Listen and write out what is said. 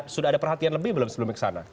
sudah ada perhatian lebih belum sebelumnya kesana